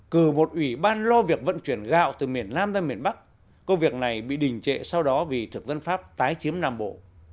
cử một ủy ban lo việc vận chuyển gạo từ miền nam ra miền bắc công việc này bị đình trệ sau đó vì thực dân pháp tái chiếm nam bộ